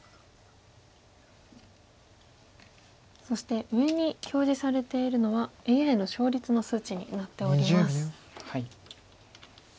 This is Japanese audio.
そして上に表示されているのはＡＩの勝率の数値になっております。